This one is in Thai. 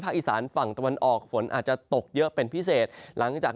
อีสานฝั่งตะวันออกฝนอาจจะตกเยอะเป็นพิเศษหลังจาก